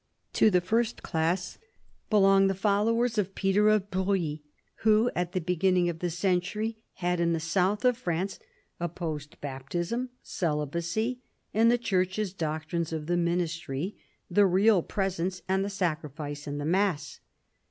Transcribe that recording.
To the first class belong the followers of Peter of Bruys, who at the beginning of the century had in the south of France opposed baptism, celibacy, and the church's doctrines of the ministry, the Eeal Presence and the Sacrifice in the mass.